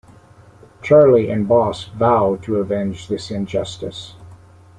Charley and Boss vow to avenge this injustice.